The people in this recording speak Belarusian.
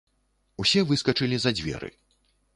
Усе выскачылі за дзверы.